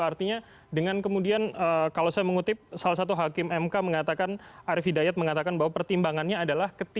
artinya dengan kemudian kalau saya mengutip salah satu hakim mk mengatakan arief hidayat mengatakan bahwa pertimbangannya adalah